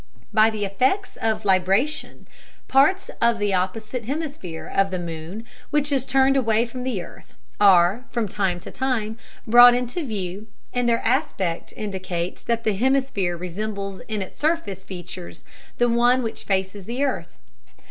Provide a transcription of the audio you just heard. By the effects of "libration" parts of the opposite hemisphere of the moon which is turned away from the earth are from time to time brought into view, and their aspect indicates that that hemisphere resembles in its surface features the one which faces the earth.